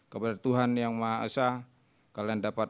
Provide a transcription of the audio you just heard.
kepada tuhan yang maha esa